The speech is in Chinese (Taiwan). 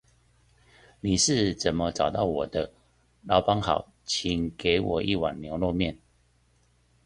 你是怎麼找到我的？老闆好，請給我一碗牛肉麵